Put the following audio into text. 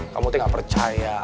kamu tuh yang paling cantik